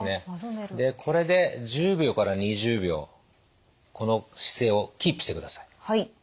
でこれで１０秒から２０秒この姿勢をキープしてください。